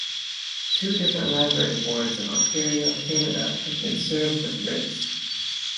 Two different library boards in Ontario, Canada had been served with writs.